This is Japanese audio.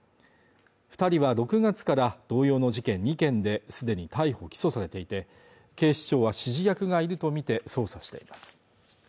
二人は６月から同様の事件２件ですでに逮捕・起訴されていて警視庁は指示役がいるとみて捜査しています